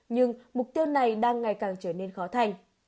nhưng mục tiêu này đang ngày càng trở nên khó thành